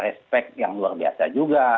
respect yang luar biasa juga